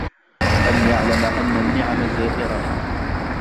أَنْ يَعْلَمَ أَنَّ النِّعَمَ زَائِرَةٌ